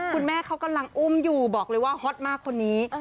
คุณแม่เขากำลังอุ้มอยู่บอกเลยว่าฮอตมากคนนี้